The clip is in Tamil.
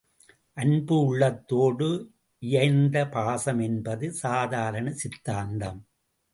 அன்பு உள்ளத்தோடு இயைந்த பாசம் என்பது சாதாரண சித்தாந்தம்.